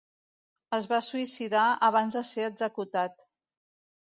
Es va suïcidar abans de ser executat.